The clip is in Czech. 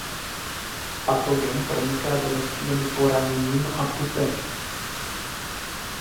Patogen proniká do rostliny poraněním a pupeny.